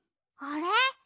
あれ？